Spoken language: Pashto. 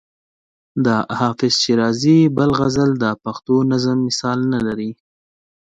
د حافظ شیرازي بل غزل د پښتو نظم مثال نه لري.